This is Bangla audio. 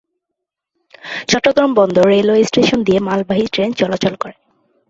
চট্টগ্রাম বন্দর রেলওয়ে স্টেশন দিয়ে মালবাহী ট্রেন চলাচল করে।